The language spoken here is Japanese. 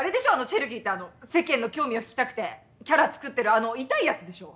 チェルキーって世間の興味を引きたくてキャラ作ってるあのイタいやつでしょ？